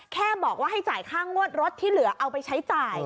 แค่บอกว่าให้จ่ายค่างวดรถที่เหลือเอาไปใช้จ่าย